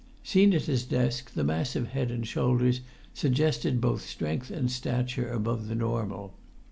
Seen at his desk, the massive head and shoulders suggested both strength and stature above the normal.